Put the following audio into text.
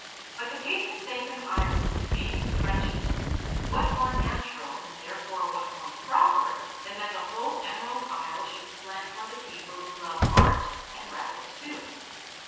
But the patron saint of Ireland being a Frenchman, what more natural, and therefore what more proper, than that the whole Emerald Isle should slant toward the people who love art and rabbit stew!